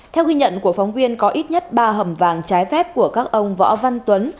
theo ghi nhận của phóng viên có ít nhất ba hầm vàng trái phép của các ông võ văn tuấn